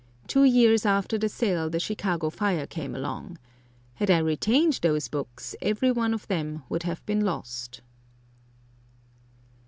"Two years after the sale the Chicago fire came along. Had I retained those books, every one of them would have been lost."